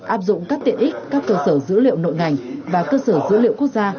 áp dụng các tiện ích các cơ sở dữ liệu nội ngành và cơ sở dữ liệu quốc gia